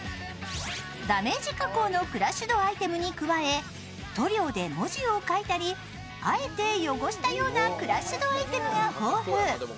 ダメージ加工のクラッシュドアイテムに加え塗料で文字を書いたり、あえて汚したようなクラッシュドアイテムが豊富。